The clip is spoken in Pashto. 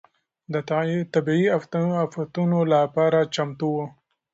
د طبيعي افتونو لپاره چمتو و.